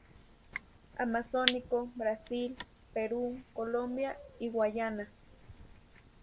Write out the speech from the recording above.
Amazónico, Brasil, Perú, Colombia y Guayana.